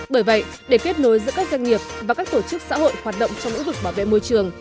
bởi vậy để kết nối giữa các doanh nghiệp và các tổ chức xã hội hoạt động trong ứng dụng bảo vệ môi trường